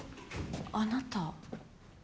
あなた。